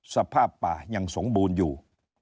สภาพป่ายังสมบูรณ์อยู่